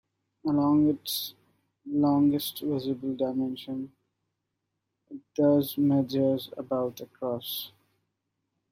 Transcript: Along its longest visible dimension, it thus measures about across.